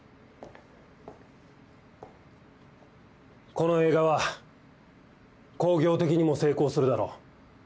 この映画は興行的にも成功するだろう。